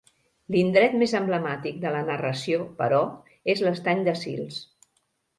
L'indret més emblemàtic de la narració, però, és l'estany de Sils.